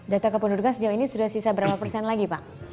data kependudukan sejauh ini sudah sisa berapa persen lagi pak